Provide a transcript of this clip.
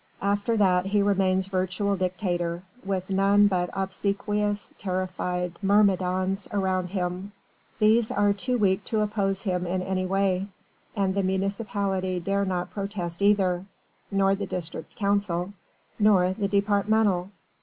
After that he remains virtual dictator, with none but obsequious, terrified myrmidons around him: these are too weak to oppose him in any way. And the municipality dare not protest either nor the district council nor the departmental.